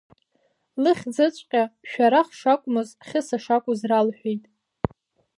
Лыхьӡыҵәҟьа Шәарах шәакәмыз, Хьыса шакәыз ралҳәеит.